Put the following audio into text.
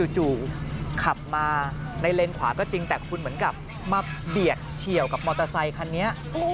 ขับมาในเลนขวาก็จริงแต่คุณเหมือนกับมาเบียดเฉียวกับมอเตอร์ไซคันนี้